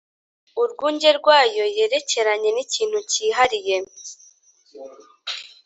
urwunge rwayo yerekeranye n ikintu cyihariye